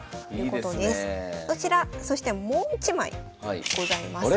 こちらそしてもう一枚ございます。